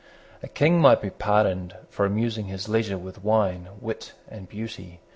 A King might be pardoned for amusing his leisure with wine, wit, and beauty.